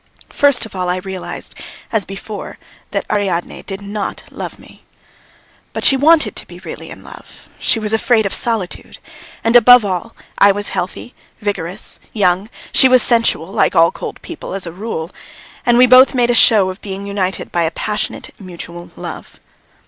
First of all, I realised, as before, that Ariadne did not love me. But she wanted to be really in love, she was afraid of solitude, and, above all, I was healthy, young, vigorous; she was sensual, like all cold people, as a rule and we both made a show of being united by a passionate, mutual love.